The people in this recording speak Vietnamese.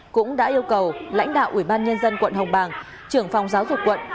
cũng đã yêu cầu lãnh đạo ủy ban nhân dân quận hồng bàng trưởng phòng giáo dục quận